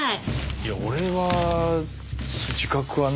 いや俺は自覚はない。